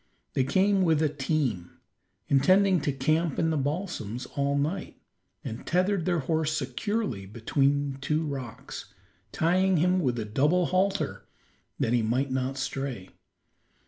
They came with a team, intending to camp in the balsams all night, and tethered their horse securely between two rocks, tying him with a double halter that he might not stray.